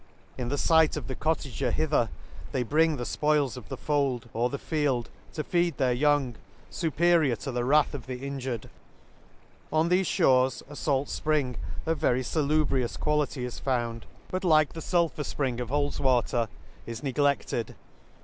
In the fight of the cottager hither they bring the fpoils of the fold, or the field, to feed their young, fviperior to the wrath of the injured. ~On thefe fhores a fait fpfing of very* falubrious quality is found, but like the fhl * Mafon's Garden, the Lakes. 137 fulpher fpring of Hull's water, is ne gle&ed.